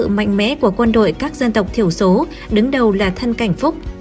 mạnh mẽ của quân đội các dân tộc thiểu số đứng đầu là thân cảnh phúc